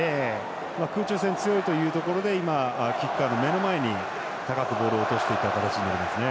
空中戦、強いというところで今、キッカーの目の前に高くボールを落とした形になりますね。